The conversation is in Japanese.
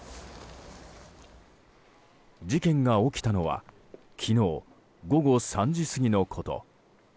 事件が起きたのは昨日午後３時過ぎのこと。